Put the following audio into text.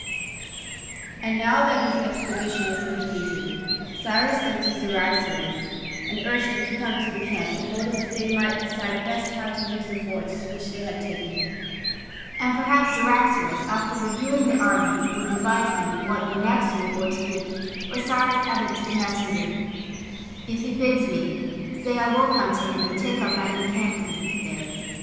5] And now that his expedition was completed, Cyrus sent to Cyaxares and urged him to come to the camp in order that they might decide best how to use the forts which they had taken, and perhaps Cyaxares, after reviewing the army, would advise him what the next move ought to be, or, Cyrus added to the messenger, "if he bids me, say I will come to him and take up my encampment there."